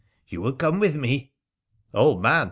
You will come with me ?'' Old man